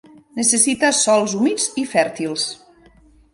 Necessita sòls humits i fèrtils.